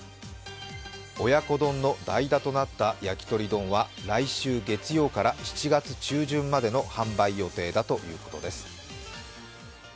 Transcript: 親子丼の代打となった焼き鳥丼は来週月曜から７月中旬までの販売予定だということです。